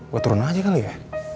wah turun aja kali ya